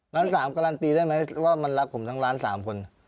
ล้านสามการันตีได้ไหมว่ามันรักผมทั้งล้านสามคน